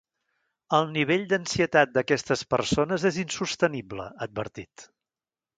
El nivell d’ansietat d’aquestes persones és insostenible, ha advertit.